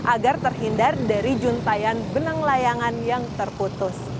agar terhindar dari juntayan benang layangan yang terputus